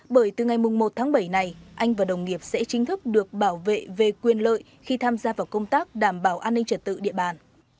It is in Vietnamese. bởi từ ngày một tháng bảy này anh và đồng nghiệp sẽ chính thức được bảo vệ về quyền lợi khi tham gia vào công tác đảm bảo an ninh trật tự địa bàn